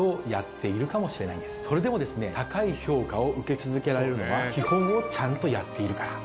それでも高い評価を受け続けられるのは基本をちゃんとやっているから。